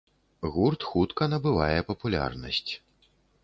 Гурт хутка набывае папулярнасць.